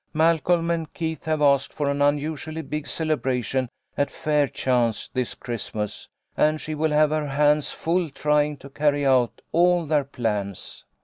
Malcolm and Keith have asked for an unusually big celebration at Fairchance this Christmas, and she will have her hands full trying to carry out all their plans.